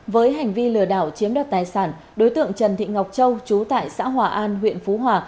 với hành vi lừa đảo chiếm đoạt tài sản đối tượng trần thị ngọc châu chú tại xã hòa an huyện phú hòa